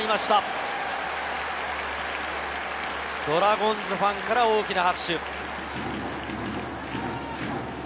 ドラゴンズファンから大きな拍手。